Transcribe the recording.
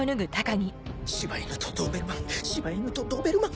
柴犬とドーベルマン柴犬とドーベルマン！